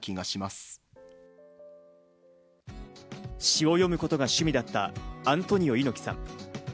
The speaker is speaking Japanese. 詩を詠むことが趣味だったアントニオ猪木さん。